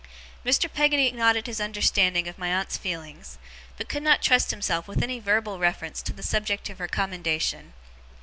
Mr. Peggotty nodded his understanding of my aunt's feelings, but could not trust himself with any verbal reference to the subject of her commendation.